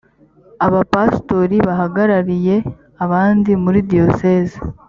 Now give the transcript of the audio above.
abapastori bahagarariye abandi muri diyoseze